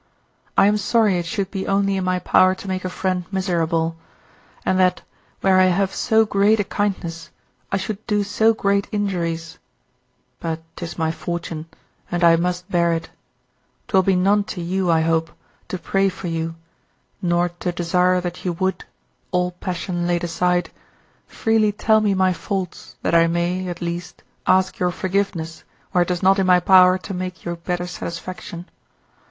I am sorry it should be only in my power to make a friend miserable, and that where I have so great a kindness I should do so great injuries; but 'tis my fortune, and I must bear it; 'twill be none to you, I hope, to pray for you, nor to desire that you would (all passion laid aside) freely tell me my faults, that I may, at least, ask your forgiveness where 'tis not in my power to make you better satisfaction.